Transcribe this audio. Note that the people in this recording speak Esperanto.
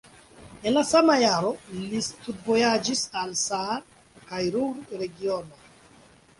En la sama jaro li studvojaĝis al Saar kaj Ruhr-regionoj.